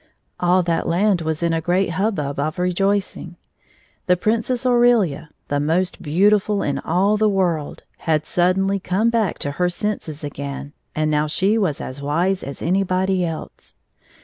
All that land was m a great hubbub of rejoicing. The Princess Aurelia, the most beautiftd in all the world, had suddenly come back into her senses again, and now she was as wise as anybody else.